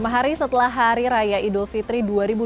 lima hari setelah hari raya idul fitri dua ribu dua puluh